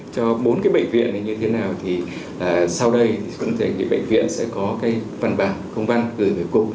cho bốn cái bệnh viện này như thế nào thì sau đây cũng có thể bệnh viện sẽ có cái văn bản công văn gửi về cục